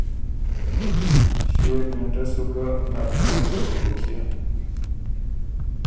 ݭيې ګهېنټۀ سو ګه نک تم سُک بُک يېن